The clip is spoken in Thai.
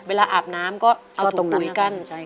อาบน้ำก็เอาถุงปุ๋ยกั้น